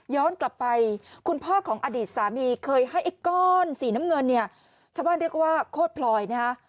ย้อนกลับไปคุณพ่อของอดีตสามีเคยให้อีกก้อนสีน้ำเงินเฉาะบ้านเรียกว่าโคตรพรอย